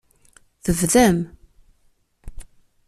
Tebdam.